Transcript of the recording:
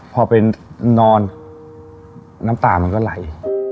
พอเป็นนอนน้ำตามันก็ไหล